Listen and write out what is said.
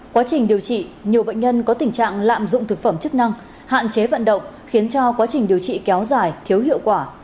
quá trình điều trị nhiều bệnh nhân có tình trạng lạm dụng thực phẩm chức năng hạn chế vận động khiến cho quá trình điều trị kéo dài thiếu hiệu quả